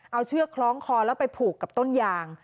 เอาเชือกคล้องคอแล้วไปผูกกับต้นยาง